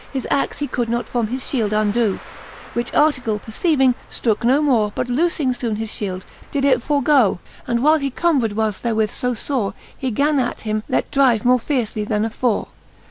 His axe he could not from his fhield undoe. Which Artegall perceiving, ftrooke no more. But loofing foone his fhield, did it forgoe \ And whiles he combred was therewith fb fbre^ He gan at him let drive more fiercely then afore.